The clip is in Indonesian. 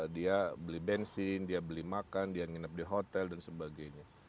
dia beli bensin dia beli makan dia nginep di hotel dan sebagainya